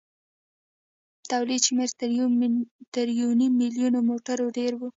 د تولید شمېر تر یو نیم میلیون موټرو ډېر و.